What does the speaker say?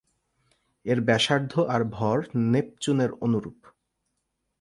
এর ব্যাসার্ধ আর ভর নেপচুনের অনুরুপ।